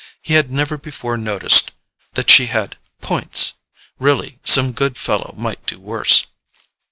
He had never before noticed that she had "points"—really, some good fellow might do worse....